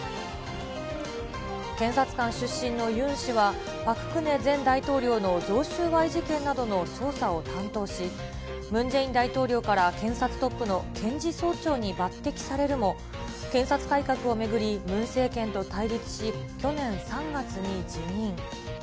検察官出身のユン氏は、パク・クネ前大統領の贈収賄事件などの捜査を担当し、ムン・ジェイン大統領から検察トップの検事総長に抜てきされるも、検察改革を巡り、ムン政権と対立し、去年３月に辞任。